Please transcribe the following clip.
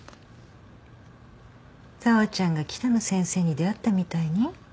紗和ちゃんが北野先生に出会ったみたいに？